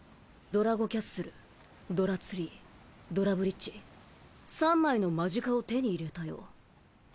ドラゴキャッスルドラツリードラブリッジ３枚のマジカを手に入れたよ